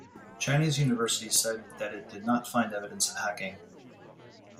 Chinese University said that it did not find evidence of hacking.